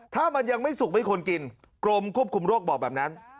ถ้ามันยังไม่สุกไม่ควรกินกรมควบคุมโรคบอกแบบนั้น